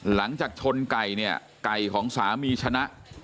หลังจากชนไก่เนี่ยไก่ของสามีชนะ